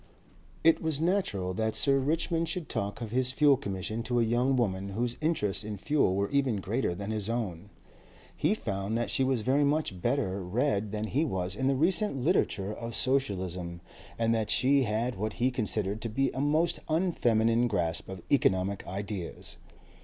It was natural that Sir Richmond should talk of his Fuel Commission to a young woman whose interests in fuel were even greater than his own. He found that she was very much better read than he was in the recent literature of socialism, and that she had what he considered to be a most unfeminine grasp of economic ideas.